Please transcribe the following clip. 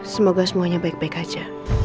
semoga semuanya baik baik saja